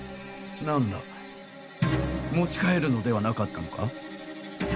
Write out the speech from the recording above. なんだ？持ち帰るのではなかったのか？